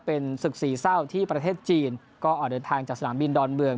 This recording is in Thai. เป็นศึกสี่เศร้าที่ประเทศจีนก็ออกเดินทางจากสนามบินดอนเมือง